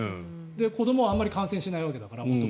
子どもは元々あまり感染しないわけだから。